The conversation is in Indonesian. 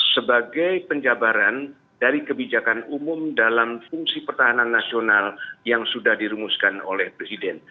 sebagai penjabaran dari kebijakan umum dalam fungsi pertahanan nasional yang sudah dirumuskan oleh presiden